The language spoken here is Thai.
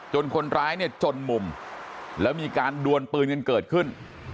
คนร้ายเนี่ยจนมุมแล้วมีการดวนปืนกันเกิดขึ้น